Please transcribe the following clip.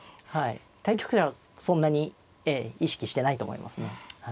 対局者はそんなに意識してないと思いますね。